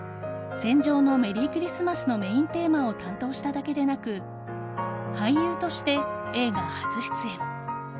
「戦場のメリークリスマス」のメインテーマを担当しただけでなく俳優として映画初出演。